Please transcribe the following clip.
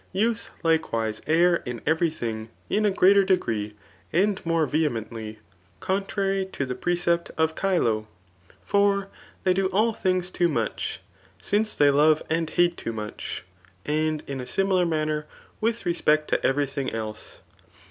Touth Ukewise err in every thing in a greater degree and more vehemently, contrary to the precept of Chilo ; for they do all things too mudi ; once they krve and hate too much, and in a similar manner with respect to every thing else.